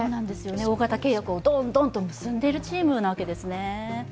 大型契約をドーンドーンと結んでいるチームなんですね。